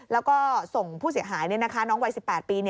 แล้วก็ส่งผู้เสียหายน้องวัย๑๘ปี